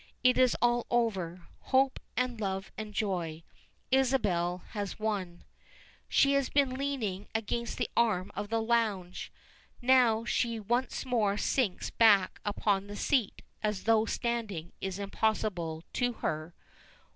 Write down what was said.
It is all over, hope and love and joy. Isabel has won. She has been leaning against the arm of the lounge, now she once more sinks back upon the seat as though standing is impossible to her.